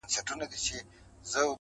و دهقان ته يې ورپېښ کړل تاوانونه-